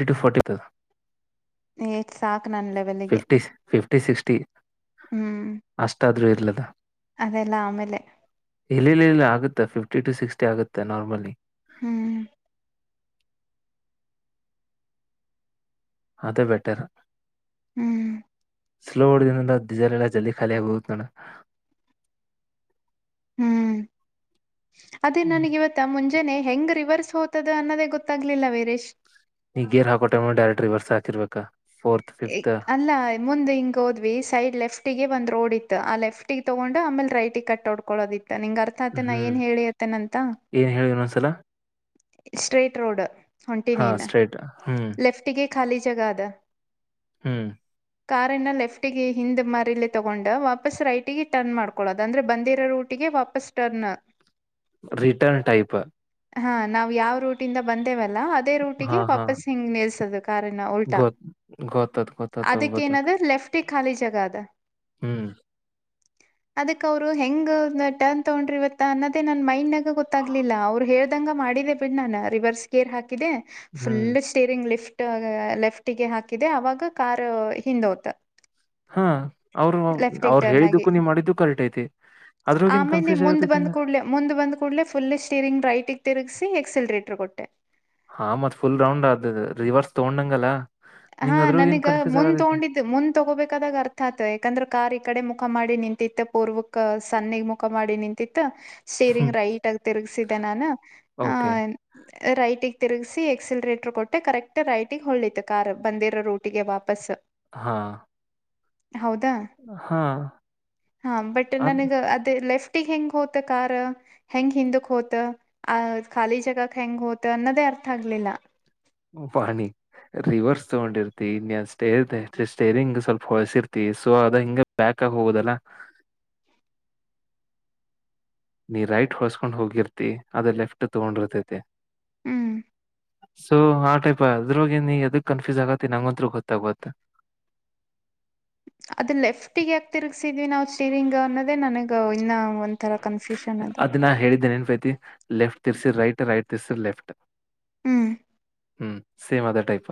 ರ್ಿ to forty eight ಸಾಕ್ನನ್ ಲೆವೆಲ್ಗೆ fifty fifty sixty ಹ್ಮ್ ಅಷ್ಟಾದ್ರೂ ಇರ್ಲದ ಅದೆಲ್ಲ ಆಮೇಲೆ ಇಲ್ಲಿ ಇಲ್ಲಿ ಇಲ್ಲಿ ಆಗುತ್ತೆ ಫಿಫ್ಟಿ ಟು ಸಿಕ್ಸ್ಟಿ ಆಗುತ್ತೆ ನಾರ್ಮಲಿ ಹ್ಮ್ ಅದು ಬೆಟರ್ ಹ್ಮ್ ಸ್ಲೋ ಹೊಡ್ದನಂದ ಡೀಸರ್ ಎಲ್ಲ ಜಲ್ದಿ ಖಾಲಿ ಆಗ್ಬಹುದು ನೋಡ [unintelligible] [inaudible] ಹ್ಮ್ ಅದೇ ನನಗ ಇವತ್ತ ಮುಂಜಾನೆ ಹೆಂಗ್ ರಿವರ್ಸ್ ಹೋಗ್ತದ ಅನ್ನೋದೇ ಗೊತ್ತಾಗ್ಲಿಲ್ಲ ವೀರೇಶ್ ನೀಗ್ ಗೇರ್ ಹಾಕೋಡರೆಕ್ಟ್ ರಿವರ್ಸ್ ಹಾರ್ಬೇಕಾ ಅಲ್ಲ ಮುಂದ್ ಹಿಂಗ ಹೋದ್ವಿ ಸೈಡ್ ಲೆಫ್ಟ ಗೆ ಒಂದ್ ರೋಡ್ ಇತ್ತು ಆ ಲೆಫ್ಟ ಿಗೆ ತಗೊಂಡ ಆಮೇಲೆ ರೈಟ್ ಕಟ್ ನಡ್ಕೊಳ್ಳೋದಿತ್ತು ಆ ನಿಂಗ ಅರ್ಥ ಆತೆ ನಾ ಹ್ಮ್ ಏನ್ ಹೇಳಿಯತ್ತೇನಂತ ಏನ್ ಹೇಳಿ ಇನ್ನೊಂದ್ಸಲ ಸ್ಟ್ರೇಟ್ ರೋಡ್ ಹಾ ಹೊಂಟಿನೇನ್ ಸ್ಟ್ರೈಟ್ ಹ್ಮ್ ಲೆಫ್ಟಿಗೆ ಖಾಲಿ ಜಗ ಅದ ಹ್ಮ್ ಕಾರನ್ನ ಲೆಫ್ಟಗೆ ಹಿಂದ್ ಮಾರಲ್ಲಿ ತಗೊಂಡ್ ವಾಪಸ್ ರೈಟಿಗೆ ಟರ್ನ್ ಮಾಡ್ಕೊಳ್ಳದು ಅಂದ್ರೆ ಬಂದಿರೋ ರಊಟಿಗೆ ಗೆ ವಾಪಸ್ ಟರ್ನ್ ರಿಟರ್ನ್ ಟೈಪ್ ಹಾ ನಾವವು ಯಾವ ರೂಟಿಂದ ಬಂದೇವಲ್ಲ ಅದೇ ಹಾ ರೂಟಿಗೆ ಹಾ ವಾಪಸ್ ಹಿಂಗ್ ನಿಲ್ಸೋದ ಕಾರಿನ ಉಲ್ಟಾ ಗೊತ್ ಗೊತ್ತಾತ್ ಗೊತ್ತಾತು ಅದಕ್ಕ ಗೊತ್ತಾತು ಏನದ ಲೆಫ್ಟಿ ಖಾಲಿ ಜಾಗ ಅದ ಹ್ಮ್ ಅದಕ್ ಅವರು ಹೆಂಗ ಟರ್ನ್ ತಗೊಂಡ್ರ ಇವತ್ತ ಅನ್ನದೇ ನನ್ ಮೈಂಡ್ಗ ಗೊತ್ತಾಗ್ಲಿಲ್ಲ ಅವ್ರು ಹೇಳ್ದಂಗ ಮಾಡಿದ ನಾನ ರಿವರ್ಸ್ ಗೇರ್ ಹಾಕಿದೆ ಹ್ಮ್ ಫುಲ್ ಸ್ಟೇರಿಂಗ್ ಲಿಫ್ಟ್ ಲೆಫ್ಟ ಗೆ ಹಾಕಿದೆ ಅವಾಗ ಕಾರ್ ಹಿಂದೋತ ಹಾ ಅವರು ಲೆಫ್ಟಿಗೆ ಅವ್ರು ಟರ್ನ್ ಆಗಿ ಹೇಳಿದ್ದಕ್ಕೂ ನೀವ್ ಮಾಡಿದ್ದುೂ ಕರೆಕ್ಟ್ ಐತಿ ಅದ್ರೊಳಗೇನ್ ಆಮೇಲೆ ಕನ್ಫ್ಯೂಸ್ ಮುಂದ್ ಆಗತೈತಿ ಬಂದ ಹಂಗ ಕೂಡ್ಲೆ ಮುಂದ್ ಬಂದ್ ಕೂಡ್ಲೆ ಫುಲ್ ಸ್ಟೀರಿಂಗ್ ರೈಟ್ಗ್ ತಿರುಗ ಎಕ್ಸಿಲರೇಟರ್ ಕೊಟ್ಟೆ ಹಾ ಮತ್ ಫುಲ್ ರೌಂಡ್ ಆದದ ರಿವರ್ಸ್ ತಗೊಂಡಂಗಲ್ಲ ಹಾ ನಿಂಗ್ ಅದ್ರಗಿನ್ ನನಗ ಕನ್ಫ್ಯೂಸ್ ಮುಂದ್ ಆಗತೈತೆ ತಗೊಂಡಿದ್ದ್ ಮುಂದ್ ತಗೋಬೇಕಾದಾಗ ಅರ್ಥ ಆಯತ ಯಾಕಂದ್ರೆ ಕಾರ್ ಈ ಕಡೆ ಮುಕ್ ಮುಖ ಮಾಡಿ ನಿಂತಿತ್ತ ಪೂರ್ವಕ ಸನ್ನಗ್ ಮುಖ ಮಾಡಿ ನಿಂತಿತ್ತು ಸ್ಟೀರಿಂಗ್ ರೈಟ್ ಆಗ ತಿರುಗಸಿದ್ದೆ ನಾನು ಆ ಓಕೆ ರೈಟಿಗೆ ತಿರುಗಸಿ ಎಕ್ಸಿಲರೇಟರ್ ಕೊಟ್ಟೆ ಕರೆಕ್ಟ್ ರೈಟಿಗೆ ಹೊಳ್ಳಿತು ಕಾರ್ ಬಂದಿರೋ ರೋಟಿಗೆ ವಾಪಸ್ ಹಾ ಹೌದಾ ಹಾ ಹ ಬಟ್ ಅದ್ ನನಗೆ ಅದೇ ಲೆಫ್ಟ್ ಹೆಂಗ್ ಹೋತ ಕಾರ್ ಹೆಂಗ್ ಹಿಂದಕ್ ಹೋತ್ ಅ ಖಾಲಿ ಜಗಕ್ ಹೆಂಗ್ ಹೋತ್ ಅನ್ನದೇ ತ್ ಆಗ್ಲಿಲ್ಲ ಪಾಣಿ ರಿವರ್ಸ್ ತಗೊಂಡಿರ್ತಿ ಇನ್ಯನ್ ಸ್ಟೇರ್ ಸ್ಟೇರಿಂಗ್ ಸ್ವಲ್ಪ ಹೊಳ್ಸಿರ್ತಿ ಸೊ ಅದ ಹಿಂಗ ಬ್ಯಾಕ್ ಹೋಗುದಲ್ಲ ನೀ ರೈಟ್ ಹೊಳ್ಸ್ಕೊಂಡ್ ಹೋಗಿರ್ತಿ ಅದ ಲೆಫ್ಟ್ ತಗೊಂಡಿರ್ತೈತೆ ಹ್ಮ್ ಸೊ ಆ ಟೈಪ್ ಅದ್ರಗೆ ನೀ ಎದಕ್ ಕನ್ಫ್ಯೂಸ್ ಆಗತ್ತ ನಂಗಂರು ಗೊತ್ತಾಗತ್ತ [inaudible] ಅದ್ ಲೆಫ್ಟಗ ಯಾಕೆ ತಿರ್ಗ್ಸಿದ್ವಿ ನಾವವು ಸ್ಟೀರಿಂಗ್ ಅನ್ನೋದೇ ನನಗ ಇನ್ನ ಒಂಥರ ಕನ್ಫ್ಯೂಷನ್ ಅದು ಅದನ್ನ ಹೇಳಿದ್ದೆ ನೆನ್ಪೈತಿ ಲೆಫ್ಟ್ ತರ್ಸಿ ರೈಟ್ ರೈಟ್ ತರ್ಸಿ ಲೆಫ್ಟ್ ಹ್ಮ್ ಹ್ಮ್ ಸೇಮ್ ಅದೇ ಟೈಪ್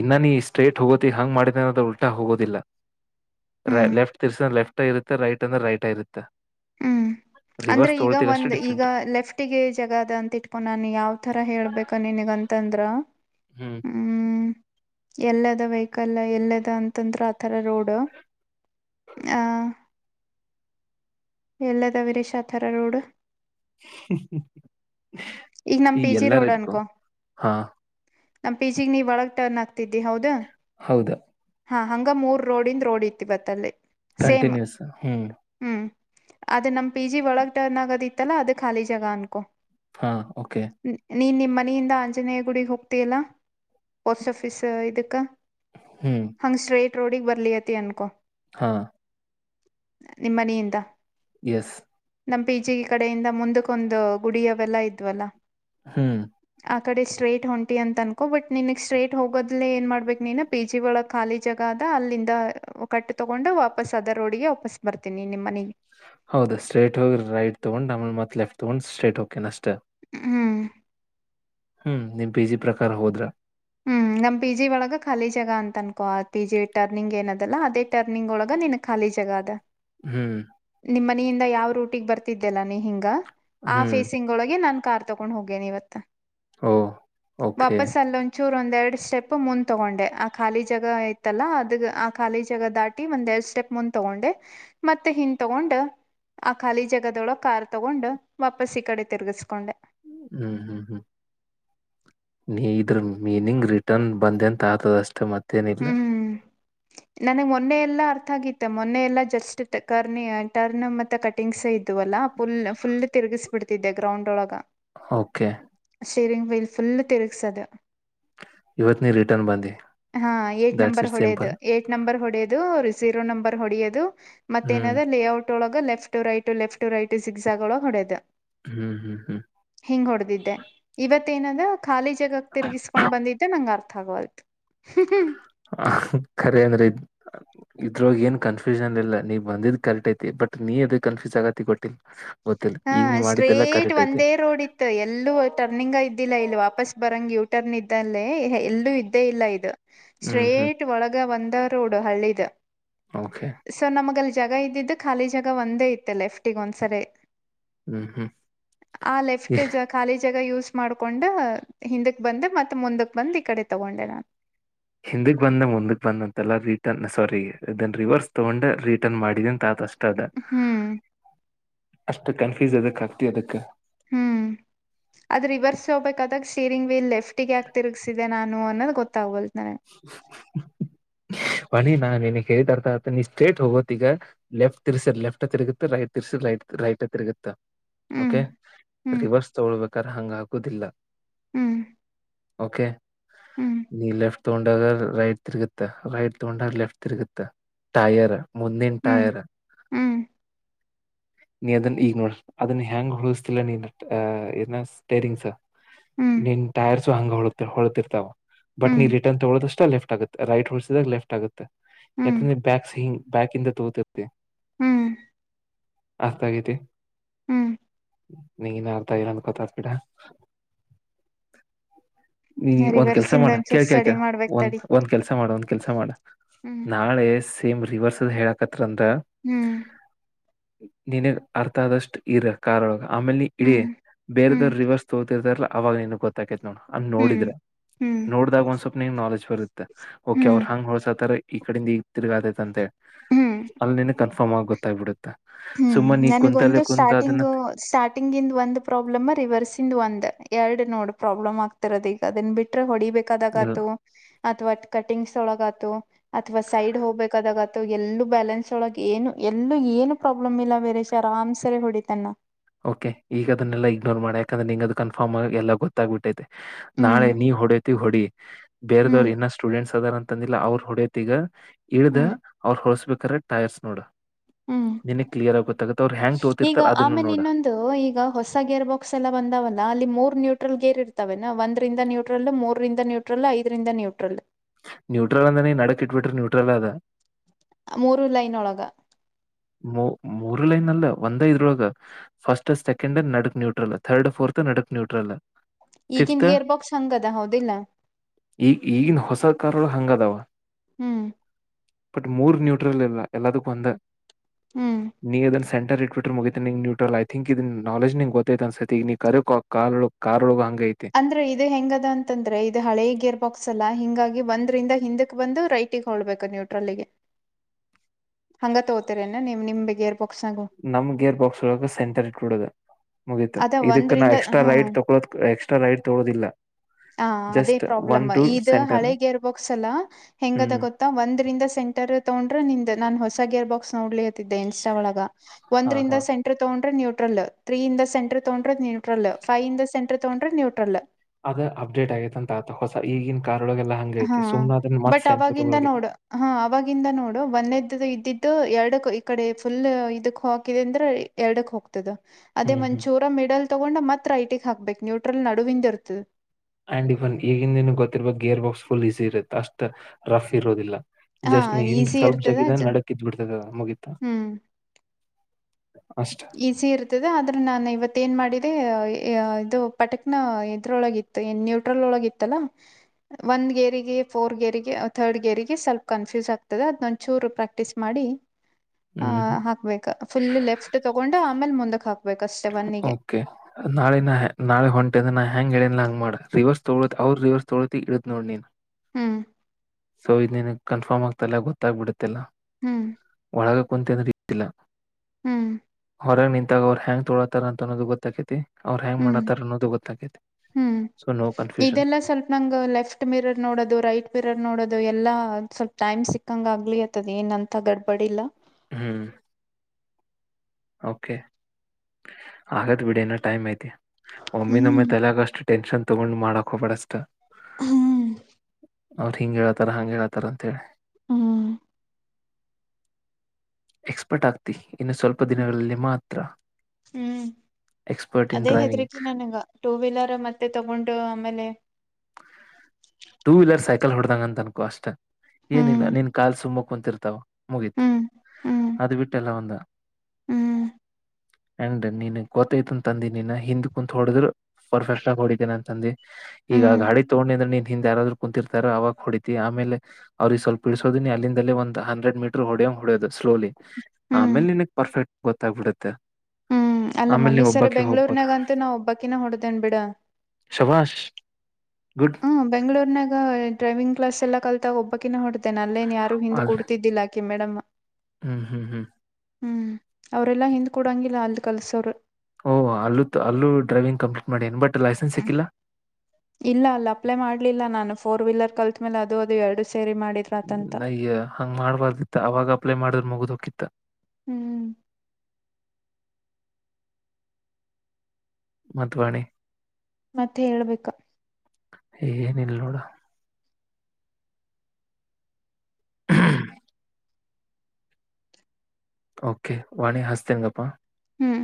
ಇನ್ನಾನ ಸ್ಟ್ರೇಟ್ ಹೋಗೋತಿ ಹಂಗ್ ಮಾಡಿದ ಅನಾದ್ರ ಉಲ್ಟಾ ಹೋಗೋದಿಲ್ಲ ಹ್ಮ್ ಲೆಫ್ಟ್ ತೀರ್ಸ್ರ ಲೆಫ್ಟ್ ಇರುತ್ತೆ ರೈಟ್ ಅಂದ್ರೆ ರೈಟ್ ಇರುತ್ತೆ ಹ್ಮ್ ಅಂದ್ರೆ ರಿವರ್ಸ್ ಈಗ ತೊಗೊಳ್ತೀವಿ ಅಷ್ಟೇ ಒಂದ್ ಈಗ ಡಿಫ್ರೆಂಟ್ ಲೆಫ್ಟಗೆ ಜಗ ಅದ ಅಂತ ಇಟ್ಕೊಂಡ ನಾನು ಯಾವ್ ತರ ಹೇಳ್ಬೇಕ ನಿನಗ ಅಂತಂದ್ರ ಹ್ಮ್ ಎಲ್ಲದ ವೆಹಿಕಲ್ ಎಲ್ಲದ ಅಂತಂದ್ರ ಆ ಥರ ರೋಡ್ ಆ [inaudible] ಎಲ್ಲದ ವರಶ ಆಥರ ರೋಡ್ ಹ್ಮ್ ಹ್ಮ್ ಈಗ ನಮ ಪಿಜಿ ರೋಡ್ ಅನ್ಕೊ ಹಾ ನಮ್ಮ ಪಿ ಜಿಗೆ ನೀವು ಒಳಗೆ ಟರ್ನ್ ಆಗ್ತಿದ್ದಿ ಹೌದಾ ಹೌದಾ ಹಾ ಹಂಗ ಮೂರ್ ರೋಡಿಂದ ರೋಡ್ ಇತಿ ಇವತ್ತ ಅಲ್ಲಿ ಕಂಟಿನ್ಯೂಸ್ ಹ್ಮ್ ಅದ ನಮ್ ಪಿ ಜಿ ಒಳಗ್ ಟರ್ನ್ ಆಗದ ಇತ್ತಲ್ಲ ಅದ ಖಾಲಿ ಜಾಗ ಅನ್ಕೊ ಹಾ ಓಕೆ ನ್- ನೀನ್ ನಿಮ್ಮ್ ಮನೆಯಿಂದ ಆಂಜನೇಯ ಗುಡಿಗೆ ಹೋಗ್ತಯಲ್ಲ ಪೋಸ್ಟ್ ಆಫೀಸ್ ಇದಕ್ಕ ಹ್ಮ್ ಹಂಗ ಸ್ಟ್ರೇಟ್ ರೋಡಗ್ ಬರ್ಲತಿ ಅನ್ಕೋ ಹಾ ನಿಮ್ಮನೆಯಿಂದ ಎಸ್ ನಮ್ ಪಿ ಜಿಗೆ ಕಡೆಯಿಂದ ಮುಂದಕ್ಕೊಂದು ಗುಡಿಯವೆೆಲ್ಲಾ ಇದ್ವಲ್ಲ ಹ್ಮ್ ಆ ಕಡೆ ಸ್ಟ್ರೇಟ್ ಹೊಂಟಿ ಅಂತ ಅನ್ಕೋ ಬಟ್ ನಿಿನಗೆ ಸ್ಟ್ರೇಟ್ ಹೋಗದ್ೇ ಏನ್ ಮಾಡ್ಬೇಕು ನೀನು ಪಿ ಜಿ ಒಳಗೆ ಖಾಲಿ ಜಗ ಆದದ ಅಲ್ಲಿಂದ ಕಟ್ಟು ತಗೊಂಡು ವಾಪಸ್ ಅದ ರೋಡಿಗೆ ವಾಪಸ್ ಬರ್ತೀನಿ ನಿಮ್ಮ ಮನೆಗ್ ಹೌದಾ ಸ್ಟ್ರೇಟ್ ಹೋಗ್ರಿ ರೈಟ್ ತಗೊಂಡು ಆಮೇಲೆ ಮತ್ ಲೆಫ್ಟ್ ತಗೊಂಡು ಸ್ಟ್ರೇಟ್ ಹೋಗ್ನ್ ಅಷ್ಟ ಹ್ಮ್ ಹ್ಮ್ ನಿಮ್ ಪಿ ಜಿ ಪ್ರಕಾರ ಹೋದ್ರ ಹ್ಮ್ ನಮ್ ಪಿ ಜಿ ಒಳಗ ಖಾಲಿ ಜಗ ಅಂತ ಅನ್ಕೋ ಪಿ ಜಿ ರಿಟರ್ನಿಂಗ್ ಏನದಲ್ಲ ಅದೇ ಟರ್ನಿಂಗ್ ಒಳಗ ನಿನ್ನ ಖಾಲಿ ಜಗ ಅದ ಹ್ಮ್ ನಿಮ್ಮ ಯಾವ ರೂಟ ಬರ್ತಲ್ಲ ಹಿಳ ಹ್ಮ್ ನ ಕಾರ ತಕೊಂಡುಗೇ ನೀ ಇವತ್ತು ಓ ಓಕೆ ಚೂರ್ ಒಂದೆರಡು ಸ್ಟೆಪ್ ಮುಂದ್ ತಗೊಂಡೆ ಆ ಖಾಲಿ ಜಗ ಇಐತ್ತಲ್ಲಾ ಅದ ಆ ಖಾಲಿ ಜಗ ದಾಟಿ ಒಂದ್ ಎ ಸ್ಟೆಪ್ ಮುಂದ್ ತಗೊಂಡೆ ಮತ್ತೆ ಹಿಂದ ತಗೊಂಡ ಆ ಖಾಲಿ ಜಗದೊಳ ಕಾರ್ ತಗೊಂಡು ವಾಪಸ ಈ ಕಡೆ ತಿರುಗಿಸಕೊಂಡೆ ಹ್ಮ್ ಹ್ಮ್ ಹ್ಮ್ ನೀ ಇದ್ರ ಮೀನಿಂಗ್ ರಿಟರ್ನ್ ಬಂದೆಂತ ಆತದಷ್ಟೇ ಮತ್ತೇನಿಲ್ಲ ಹ್ಮ್ ನನಗ್ ಮೊನ್ನೆ ಎಲ್ಲಾ ಅರ್ಥ ಆಗಿತ್ತ ಮೊನ್ನೆ ಎಲ್ಲಾ ಜಸ್ಟ್ ಕ ಟರ್ನ್ ಮತ್ತೆ ಕಟಿಂಗ್ಸ್ ಇದವಲ್ಲಾ ಫುಲ್ ಫುಲ್ ತಿರುಗಿಸ್ ಬಿಡ್ತಿದ್ದೆ ಗ್ರೌಂಡ್ ಒಳಗ ಓಕೆ ಚೆರಿಂಗ ವಿಯಲ್ ಫುಲ್ ತಿರಗಸದ ಯವತ್ನಿ ರಿಟರ್ನ್ ಬಂದಿ ಹಾ ಏಟ್ ದಾಟ್ಸ್ ನಂಬರ್ ಇಟ್ ಹೊಡೆಯದು ಸಿಂಪಲ್ ಏಟ್ ನಂಬರ್ ಹೊಡೆಯದು ಝೀರೋ ನಂಬರ್ ಹೊಡೆಯೋದು ಹ್ಮ್ ಮತ್ತೇಏನಾದ್ರ ಲೇಔಟ್ ಒಳಗ left right left right six ಒಳಗ ಹೊಡೆದ ಹ್ಮ್ ಹ್ಮ್ ಹ್ಮ್ ಹಿಂಗ್ ಹೊಡ್ದಿದ್ದೆ ಇವತೇನದ ಖಾಲಿ ಜಗಕ್ ತಿರ್ಗಿಸಕೊಂಡ್ ಬಂದಿದ್ದೆ ನಂಗ ಅರ್ಥ ಆಗಲ್ತ್ ಹ ಕರೆ ಅದ್ರಿ ಇದ್ರಗೆ ಏನ್ ಕನ್ಫ್ಯೂಷನ್ ಇಲ್ಲ ನೀವು ಬಂದಿದ್ ಕರೆಕ್ಟ್ ಐತಿ ಬಟ್ ನೀ ಅದೇ ಕನ್ಫ್ಯೂಸ್ ಆಗತಿ ಗೊತ್ತಿಲ್ಲ ಗೊತ್ತಿಲ್ಲ ಹಾ ಈಗ ನೀ ಮಾಡಿದ್ದೆಲ್ಲ ಸ್ಟ್ರೇಟ್ ಕರೆಕ್ಟ್ ಐತಿ ಒಂದೇ ರೋಡ್ ಇತ್ತು ಎಲ್ಲೂ ಟರ್ನಿಂಗ್ ಇದ್ದಿಲ್ಲ ಇಲ್ಲಿ ವಾಪಸ್ ಬರಂಗ ಯಟರ್ನ್ ಇದ್ದಲ್ಲಿ ಎಲ್ಲೂ ಇದ್ದೇ ಇಲ್ಲ ಇದು ಹ್ಮ್ ಹ್ಮ್ ಸ್ಟ್ರೇಟ್ ಒಳಗ ಒಂದ ರೋಡ್ ಹಳ್ಳಿದ ಓಕೆ ಸೊ ನಮಗಲ್ಲಿ ಜಾಗ ಇದ್ದಿದ್ದು ಖಾಲಿ ಜಗ ಒಂದೇ ಇತ ಲೆಫ್ಟಗ್ ಒಂದ್ಸರಿ ಹ್ಮ್ ಹ್ಮ್ ಆ ಲೇಫ್ಟ ಖಾಲಿ ಜಾಗ ಯುಸ್ ಮಾಡ್ಕೊಂಡ ಹಿಂದಕ್ ಬಂದೆ ಮತ್ತೆ ಮುಂದಕ್ ಬಂದ್ ಈ ಕಡೆ ತಗೊಂಡೆ ನಾನು ಹಿಂದಕ್ ಬಂದ ಮುಂದಕ್ ಬಂದ ಅಂತೆಲ್ಲ ರಿಟರ್ನ್ ಸಾರಿ ಇದನ್ ರಿವರ್ಸ್ ತಗೊಂಡೆ ರಿಟರ್ನ್ ಮಾಡಿದೆ ಅಂತ ಆದಷ್ಟು ಅದ ಹ್ಮ್ ಅಷ್ಟ ಕನ್ಫ್ಯೂಸ್ ಅದಕ್ ಆಗ್ತಿ ಅದಕ್ಕೆ ಹ್ಮ್ ಅದ್ ರಿವರ್ಸ್ ಹೋಗ್ಬೇಕಾದಾಗ ಸ್ಟೀರಿಂಗ್ ವೀಲ್ ಲೆಫ್ಟ ಯಾಕೆ ತಿರುಗ್ಸಿದೆ ನಾನು ಅನ್ನೋದು ಗೊತ್ತಾಗಲ್ ವಾಣಿ ನಾ ನಿನಿಗ ಹೇಳಿದರ್ಥ ಆ ನೀ ಸ್ರೇಟ್ ಹೋಗೋತ್ತ ಈಗ ಲೆಫ್ಟ್ ತಿರ್ಸರ್ ಲೆಫ್ಟ್ ತಿರುಗುತ್ತೆ ರೈಟ್ ತಿರ್ಸ ರೈಟ್ ತಿರುಗುತ್ತ ಹ್ಮ್ ಓಕೆ ಹ್ಮ್ ರಿವರ್ಸ್ ತಗೊಳ್ಬೇಕಾದ್ರೆ ಹಂಗ ಆಗುದಿಲ್ಲ ಹ್ಮ್ ಓಕೆ ಹ್ಮ್ ನೀ ಲೆಫ್ಟ ಗೊಂಡ ರೈಟ್ ತಿರುಗತ್ತ ರೈಟ್ ತಗೊಂಡಾಗ ಲೆಫ್ಟ್ ತಿರುಗತ್ತ ಟೈರ್ ಮುಂದಿನ್ ಹ್ಮ್ ಟೈಯರ್ ಹ್ಮ್ ನೀ ಅದನ್ ಈಗ ನೋಡಿ ಅದನ್ನ ಹೆಂಗ ಉಳಿಸ್ತಿಲ್ಲ ನೀ ಅ ಏನ ಸ್ಟೈರಿಂಗ್ಸ ಹ್ಮ್ ನಿನ್ ಟೈರ್ಸು ಹಂಗ ಹೊಳ ಹೊಳತಿ ಇರ್ತಾವ ಬಟ್ ನೀ ಹ್ಮ್ ನ್ ತಗೋದಷ್ಟ ಫ್ ಆಗುತ್ತೆ ರೈಟ್ ಹೊಡಸಿದಾಗ ಲೆಫ್ಟ್ ಆಗುತ್ತೆ ಹ್ಮ್ ಯಾಕಂದ್ರೆ ಬ್ಯಾಕ್ಸ್ಂಗ್ ಬ್ಯಾಕ್ ಇಂದ ತೋಗತಿರತಿ ಹ್ಮ್ ಅರ್ಥ ಆಗೈತಿ ಹ್ಮ್ ನೀನಗ ಲ್ಲ ಅಂತ ಗೊತ್ತಾಯ್ತು ಬಿಡ ನೀ ಒಂದ್ ರಿವರ್ಸ್ ಕೆಲ್ಸ ಇಂದ ಮಾಡ ಒಂಚೂರು ಕೇಳ್ ಕೇಳ್ ಸ್ಟಡಿ ಕೇಳ ಮಾಡ್ಬೇಕ್ ಒಂದ್ ತಡಿ ಒಂದ್ ಕೆಲ್ಸ ಮಾಡ ಒಂದ್ ಕೆಲ್ಸ ಮಾಡ ಹ್ಮ್ ನಾಳೆ ಸೇಮ್ ರಿವರ್ಸಲ್ ಹೇಳಕತ್ ತ್ರಂದ್ರ ಹ್ಮ್ ನಿನಗ್ ಅರ್ಥ ಆದಷ್ಟು ಇರ ಕಾರೂಳಗ ಆಮೇಲೆ ಇಡೀ ಹ್ಮ್ ಬೇರೆದವರು ಹ್ಮ್ ರಿವರ್ಸ್ ತೋದಿರ್ದಾರಲ್ಲ ಅವಾಗ ನಿನಗ್ ಗೊತ್ತಾಗತಿ ಹ್ಮ್ ನೋಡಿದ್ರೆ ಹ್ಮ್ ನೋಡ್ದಾಗ ಒಂದ್ ಸ್ವಲ್ಪ ನಿಂಗ ನಾಲೆಜ್ ಬರುತ್ತೆ ಹ್ಮ್ ಓಕೆ ಅವರು ಹ್ಮ್ ಹಂಗ್ ಹೊಳ್ಸತಾರೆ ಈ ಕಡಿಂದ ಈಗ ತಿರ್ಗಾದೈ ಅಂತಿ ಹ್ಮ್ ಅಲ್ಲಿನೆ ಕನ್ಫರ್ಮ್ ಆಗ ಗೊತ್ತಾಗಬಿಡುತ್ತ ಹ್ಮ್ ಸು ನನಗ ಒಂದು ಸ್ಟಾರ್ಟಿಂಗ್ ಸ್ಟಾರ್ಟಿಂಗ್ ಇಂದ್ ಒಂದು ಪ್ರಾಬ್ಲಮ್ ರಿವರ್ಸ್ ಇಂದ ಒಂದ್ ಎರಡು ನೋಡ್ ಪ್ರಾಬ್ಲಮ್ ಆಗ್ತಿರದ ಈಗ ಅದನ್ ಬಿಟ್ರೆ ಹೊಡಿಬೇಕದಾಗ ಇಲ್ಲ ಆತು ಅಥವಾ ಕಟಿಂಗ್ಸ್ ಒಳಗ ಆತು ಅಥವಾ ಸೈಡ್ ಹೋಗ್ಬೇಕದಾಗ ಆತ ತ ಎಲ್ಲೂ ಬ್ಯಾಲೆನ್ಸ್ ಒಳ ಏನು ಎಲ್ಲೂ ಏನು ಪ್ರಾಬ್ಲಮ್ ಇಲ್ಲ ಬೇರೇಶ ಆರಾಮ್ ಸರಿ ಹೊಡಿತನ ಓಕೆ ಈಗದನ್ನೆಲ್ಲ ಇಗ್ನೋರ್ ಮಾಡು ಯಾಕಂದ್ರೆ ನಿಂಗ ಅದು ಕನ್ಫರ್ಮ್ಗ ಎಲ್ಲ ಗೊತ್ತಾಗಗ್ಬಿಟ್ಟೈತೆ ನಾಳೆ ಹ್ಮ್ ನೀವ್ ಹೊಡ್ಯತಿ ಹೊಡಿ ಬೇರೆದವ್ರು ಹ್ಮ್ ಇನ್ನ ಸ್ಟೂಡೆಂಟ್ಸ್ ಅದಾರ ಅಂತಂದಿಲ್ಲ ಅವರು ಹೊಡ್ಯತಿ ಈಗ ಇಳ್ದ ಹ್ಮ್ ಅವ್ರ ಹೊಳ್ಸ್ಬೇಕ್ರ ಟೈರ್ಸ್ ನೋಡ್ ಹ್ಮ್ ನಿನಗ್ ಕ್ಲಿಯರ್ ಆಗ ಗೊತ್ತಾಗತ್ತೆ ಅವರ ಹೆಂಗ್ ಈಗ ತೋತಿರ್ತಾರ್ ಅದನ್ನು ಆಮೇಲೆ ನೋಡಾ ಇನ್ನೊಂದು ಈಗ ಹೊಸ ಗೇರ್ ಬಾಕ್ಸ್ ಎಲ್ಲ ಬಂದವಲ್ಲ ಅಲ್ಲಿ ಮೂರ್ ನ್ಯೂಟ್ರಲ್ ಗೇರ್ ಇರ್ತವ ಒಂದರಿಂದ ನ್ಯೂಟ್ರಲ್ ಮೂರರಿಂದ ನ್ಯೂಟ್ರಲ್ ಐದರಿಂದ ನ್ಯೂಟ್ರಲ್ ನ್ಯೂಟ್ರಲ್ ಅಂದ್ರಾನೆ ನಡಕ್ ಇಟ್ಬಿಟ್ರೆ ನ್ಯೂಟ್ರಲ್ ಅದ ಮೂರು ಲೈನ್ ಹೊಳಗ ಮೂರು ಲೈನ್ ಅಲ್ಲ ಒಂದೇ ಇದ್ರೊಳಾಗ ಫಸ್ಟ್ ಸೆಕೆಂಡ್ ನಡಕ್ ನ್ಯೂಟ್ರಲ್ ಥರ್ಡ್ ಫೋರ್ತ್ ನಡಕ ನ್ಯೂಟ್ರಲ ಈಗಿಂದ ಫಿಫತ್ ಗೇರ್ ಬಾಕ್ಸ್ ಹಂಗದ ಹೌದಿಲ್ಲ ಈಗ ಈಗಿನ ಹೊಸ ಕರಳ ಹಂಗದವ ಹ್ಮ್ ಬಟ್ ಮೂರ್ ನ್ಯೂಟ್ರಲ್ ಇಲ್ಲ ಎಲ್ಲದಕ್ಕೂ ಅಂದ ಹ್ಮ್ ನೀ ಅದನ್ನು ಸೆಂಟರ್ ಇಟ್ಬಿಟ್ಟ ಮುಗಿತ ನ್ಯೂಟ್ರಲ್ ಐ ಥಿಕ್ ಇದ ನಾಲೆಜ್ ನಿಂ ಗೊತ್ತೈತ ಅನ್ಸ ಈ ನೀ ಕಾರ್ಳ ಹಂಗೆ ಅಂದ್ರೆ ಇದು ಹೆಂಗದ ಅಂತಂದ್ರೆ ಇದು ಹಳೆ ಗಿಯರ್ ಬಾಕ್ಸ್ ಅಲ್ಲಾ ಹಿಂಗಾಗಿ ಒಂದ್ರಿಂದ ಹಿಂದ ಇದಕ್ ಬಂದು ರೈಟಿಗೆ ಹೊಳ್ಬೇಕು ನ್ಯೂಟ್ರಲ್ಲಿಗೆ ಹಂಗ ತಗೋತರೇನ್ನ ನೀಮ್ ನಿಮ್ ಬಿಗೆರ್ ನಮ್ ಗೇರ್ ಬಾಕ್ಸ್ ಒಗ ಸೆಂಟರ್ ಇಟ್ಬಿಡದೆ ಮುಗೀಿತ ಅದ ಇದಕ್ ನಾ ಒಂದ್ರಿಂದ ಎಕ್ಸ್ಟ್ರಾ ಹಾ ಲೈಟ್ ತಕೊೋದ ಎಕ್ಸ್ಟ್ರಾ ರೈಡ್ ತಗೋದಿಲ್ಲ ಹ ಅದೇ ಪ್ರಾಬ್ಲಮ್ ಈ ಸೆಂಟರ್ ಹಳೇಗೇರ್ಬಕ್ಸಲ ಹೆಂಗದ ಹ್ಮ್ ಗೊತ್ತಾ ಒಂದ್ರಂದ ಸೆಂಟರ್ ತಗೊಂಡ್ರೆ ನಿಂದೇನಾ ಹೊಸ ಗಿಯರ್ ಬಾಕ್ಸ್ ನೋಡ್ಲಿತಿದ್ದೆ ಇನ್ಸ್ಟಾ ಒಳಗ ಹಾ ಹಾ ಒಂದ್ರರಿಂದ ಸಂಟರ್ ತಗೊಂಡ್ರೆ ನೀ ್ರಲ್ ತ್ರೀ ಇಂದ ಸಂಟರ್ ತೊಂಡ್ರೆ ನ್ಯೂಟ್ರಲ್ ಫೈವ ಇಂದ ಸೆಂಟರ್ ತೊಂಡ್ರೆ ನ್ಯೂಟ್ರಲ್ ಅದ ಅಪ್ಡೇಟ್ ಆಗತ ಅಂತ ಆತ ಹೊಸ ಈಗನ್ ಹಾ ಬಟ್ ಅವವಾಗಿಂದ ತಗೊಳಗಿಲ್ಲ ನೋಡು ಹಾ ಅವಾಗಿಂದ ನೋಡು ಒಂದೆದ ಇದ್ದಿದ್ದು ಎರಡಕ್ಕ ಕಡೆ ಫುಲ್ ಇದಕ್ ಹಾಕಿದೆ ಅಂದ್ರೆ ಎರಡಕ್ ಹೋಗ್ತ ಅದೇ ಹ್ಮ್ ಹ್ಮ್ ಮಂಚೂರ ಮಿಡಲ್ ತಗೊಂಡ ಮಾತ್ರ ಐಟಿಕ್ ಹಾಕ್ಬೇಕು ನ್ೂಟ್ರಲ್ ನಡುವಿಂದ ಇರ್ತದೆ ಆಂಡ್ ಇಫನ್ ಈಗಿನ ನೀನ್ ಗೊತ್ತಿರ್ ಗಿಯರ್ ಬಾಕ್ಸ್ ಫುಲ್ ಈಸಿ ಇರುತ್ತೆ ಅಷ್ಟ ರಫ್ ಇರೋದಿಲ್ಲ ಹಾ ಜಸ್ಟ್ನ ಹಿಂದ್ ಈಸಿ ಸ್ವಲ್ಪ ಇರ್ತದ ಜಗಿದ ಜ ನಡಕಿದ್ ಬಿಡ್ತದದ ಮುಗೀಿತ ಈಜಿ ಇರ್ತದ ಆದ್ರೆ ನಾನ್ ಇವತ್ ಏನ್ ಮಾಡಿದ ಮತ್ತೆ ಇದು ಪಟಕ್ನ ಇದ್ರೊಳಗಿತ್ತು ನ್ಯೂಟ್ರಲ್ ಒಳಗಿತ್ತಲ್ಲ ಒಂದ್ ಗೇರಿಗೆ ಫೋರ್ ಗೇರಿಗೆ ಥರ್ಡ್ ಗೇರಿಗೆ ಸ್ವಲ್ಪ ಕನ್ಫ್ಯೂಸ್ ಆಗ್ತದೆ ಅದ್ೊಂಚೂರು ಪ್ರಾಕ್ಟೀಸ್ ಮಾಡಿ ಆ ಹ್ಮ್ ಹಾಕ್ಬೇಕ ಫುಲ್ ಲೆಫ್ಟ್ ತಗೊಂಡು ಆಮೇಲ್ ಮುಂದಕ್ ಹಾಕ್ಬೇಕು ಓಕೆ ನಾಳೆ ನ ನಾಳೆ ಹೊಂಟೆ ಅಂದ್ರೆ ನಾ ಹೆಂಗ ಹೇಳ ಇಲ್ಲ ಹಂಗ ಮಾಡು ರಿವರ್ ತಗಳೋದು ಅವ್ರ ರಿವರ್ ತಗಳತಿ ಇಳದ್ ನೋಡ್ ನೀನ್ ಹ್ಮ್ ಸೊ ಇದನ್ ಕನ್ಫರ್ಮ್ ತಲೆಗೆ ಗೊತ್ತಾಗ್ಬಿಡತ್ತೆಲ್ಲ ಹ್ಮ್ ಒಳಗ ಕುಂತೆ ಅಂದ ಇತಿಿಲ್ಲ ಹ್ಮ್ ಹೊರಗೆ ನಿಂತಾಗ ಅವ್ ಹ್ಯಾಂಗ್ ತೊಳತಾರ ಅಂತ ಅನ್ನೋ ಗೊತ್ತಾೈತಿ ಅವರು ಹ್ಯಾಂಗ ಹ್ಮ್ ಮಾಡತಾರ ಅನ್ನೋದು ಗೊತ್ತಾೈತಿ ಹ್ಮ್ ಇದೆಲ್ಲಾ ಸ್ವಲ್ಪ ನಂಗ್ ಲೆಫ್ಟ್ ಮಿರರ್ ನೋಡೋದು ರೈಟ್ ಮಿರರ್ ನೋಡೋದು ಎಲ್ಲಾ ಸ್ವಲ್ಪ ಟೈಮ್ ಸಿಕ್ಕಂಗ ಆಗ್ಲಿ ಅತದ ಏನ ಅಂತ ಗಡ್ಬಡಿಿಲ್ಲಾ ಹ್ಮ್ ಓಕೆ ಹಾಗತ್ ವಿಡಿಯನ ಟೈಮ್ ಐತಿ ಒಮ್ಮಿ ನ ಹ್ಮ್ ಒಮ್ಮೆ ತಲೆಗಷ್ಟು ಟೆನ್ಶನ್ ತಗೊಂಡ್ ಮಾಡಕೋಬಡ ಅಷ್ಟ ಹ್ಮ್ ಅವ್ರ ಹಿಂಗಗೆೇಳ್ತಾರ ಹಂಗೆ ಹೇಳಳ್ತಾರ ಅಂತ ಹೇಳಿ ಹ್ಮ್ ಎಕ್ಸ್ಪರ್ಟ್ ಆಗ್ತಿ ಇನ್ನು ಸ್ವಲ್ಪ ದಿನಗಳಲ್ಲಿ ಮಾತ್ರ ಹ್ಮ್ ಎಕ್ಸ್ಪರ್ಟ್ ಇನ್ ಅದೇ ಡ್ರೈವಿಂಗ್ ಹೆದರಿಕಿ ನನ್ಗ ಟೂ ವೀಲರ್ ಮತ್ತೆ ತಗೊಂಡು ಆಮೇಲೆ ಟೂ ವೀಲರ್ ಸೈಕಲ್ ಹೊಡ್ದಂಗ ಅಂತ ಅನ್ಕೊ ಅಷ್ಟ ಏನಿಲ್ಲ ಹ್ಮ್ ನೀನ್ ಕಾಲ್ ಸುಮ್ಮಕ್ ಕುಂತಿರ್ತಾವ ಮುಗೀತ್ ಹ್ಮ್ ಹ್ಮ್ ಅದು ಬಿಟ್ಟೆಲ್ಲ ಒಂದ ಹ್ಮ್ ಅಂಡ್ ನೀನ್ಗ್ ಗೊತ್ತೈ್ತಂತಂದಿನಿನ ಹಿಂದ್ ಕುಂತ್ ಹೋಡದ್ರರು ಪರ್ಫೆಕ್ಟ್ ಆಗ ಹೊಡಿದ್ದೇನೆ ಅಂತಂದಿ ಈಗ ಹ್ಮ್ ಗಾಡಿ ತಗೊಂಡಿದ್ರೆ ನೀ ಹಿಂದ್ ಯಾರಾದ್ರು ಕುಂತಿರ್ತಾರ ಅವಾಗ ಹೊಡತಿಯ ಆಮೇಲೆ ಅವ್ರ ಈ ಸ್ವಲ್ ಇಳಸೋದಿನಿ ಅಲ್ಲಿಂದಲೇ ಒಂದ ಹಂಡ್ರೆಡ್ ಮೀಟರ್ ಹೊಡ್ ಹೊಡೋದ್ ಸ್ಲೋಲಿ ಹ್ಮ್ ಆಮೇಲೆ ನಿನಗ್ ಪರ್ಫೆಕ್ಟ್ ಗೊತ್ತಾಗಬಿಡುತ್ತೆ. ಹ್ಮ್ ಅಲ್ಲ ಮೊನ್ನಿಸರಿ ಬೆಂಗ್ಗಳೂರ್ನಾಗಂತು ನಾವ್ ಒಬ್ಬಕಿನ ಹೊಡ್ದೇನ್ ಬಿಡ್ ಶಾಬಸ್ ಗುಡ್ ಬೆಂಗಳೂರ್ನಾಗ ಡ್ರೈವಿಂಗ್ ಕ್ಲಾಸ್ ಎಲ್ಲ ಕಲತ್ ಒಬ್ಬಕ್ಕಿ ಹೊಡೆದ್ ಮ ನ ಅಲ್ಲೇನ್ ಯಾರು ಹಿಂದ್ ಅಲ್ ಕುಡ್ತಿದ್ದಿಲ್ಲಾಕೆ ಮೇಡಮು ಹ್ಮ್ ಹ್ಮ್ ಹ್ಮ್ ಹ್ಮ್ ಅವರೆಲ್ಲ ಹಿಂದ್ ಕೂಡಂಗಿಲ್ಲ ಅಲ್ಲಿ ಕಲ್ಸೋರು. ಓಹ ಅಲ್ಲೂ ಅಲ್ಲೂ ಡ್ರೈವಿಂಗ್ ಕಂಪ್ಲೀಟ್ ಮಾಡೇನ್ ಬಟ್ ಲೈಸೆನ್ಸ್ ಹ್ಮ್ ಸಿಕ್ಕಿಲ್ಲ. ಇಲ್ಲ ಅಲ್ಲಿ ಅಪ್ಲೈ ಮಾಡ್ಲಿಲ್ಲ ನಾನು ಫೋರ್ ವೀಲರ್ ಕಲ್ತ್ ಮೇಲೆ ಅದು ಅದು ಎರಡು ಸೇರಿ ಮಾಡಿದ್ರತಂತ ಅಯ್ಯ ಹಂಗ್ ಮಾಡ್ಬಾರ್ದಿತ್ತ ಅವಾಗ ಅಪ್ಲೈ ಮಾಡುದ್ರ ಮುಗುದ್ ಹೊಕಿತ್ತ ಹ್ಮ್ ಮತ್ ವಾಣಿ ಮತ್ತೆ ಹೇಳ್ಬೇಕ ಏನಿಲ್ಲ ನೋಡ ಓಕೆ ವಾಣಿ ಹಸ್ತಂಗಪ್ಪ. ಹ್ಮ್